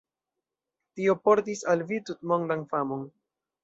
Tio portis al vi tutmondan famon.